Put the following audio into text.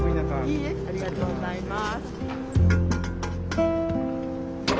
いいえありがとうございます。